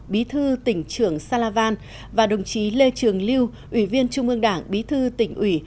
bí thư tỉnh trường salavan và đồng chí lê trường lưu ủy viên trung ương đảng bí thư tỉnh ủy